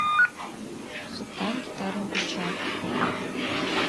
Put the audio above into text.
Султан гитарым куча.